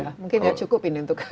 mungkin cukup ini untuk satu kuartir